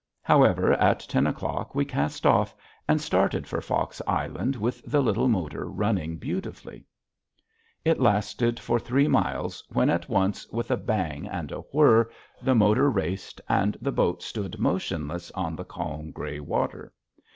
However, at ten o'clock we cast off and started for Fox Island with the little motor running beautifully. It lasted for three miles when at once, with a bang and a whir, the motor raced, and the boat stood motionless on the calm gray water.